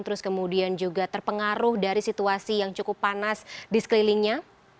terus kemudian juga terpengaruh dari situasi yang cukup panas di sekelilingnya